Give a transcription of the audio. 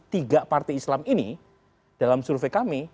tiga parti islam ini dalam survey kami